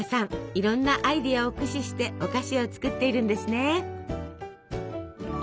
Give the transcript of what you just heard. いろんなアイデアを駆使してお菓子を作っているんですね。